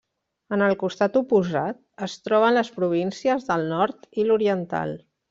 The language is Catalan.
En el costat oposat, es troben les províncies del Nord i l'Oriental.